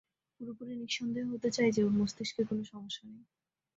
পুরোপুরি নিঃসন্দেহ হতে চাই যে, ওর মস্তিকে কোনো সমস্যা নেই।